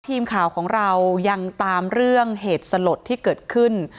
ทีมข่าวของเรายังตามเรื่องเหตุสลดที่เกิดขึ้น